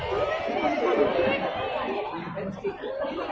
เวลาแรกพี่เห็นแวว